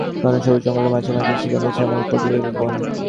ঘন সবুজ জঙ্গলের মাঝে মাঝে স্নিগ্ধ শ্যামল কদলীবন।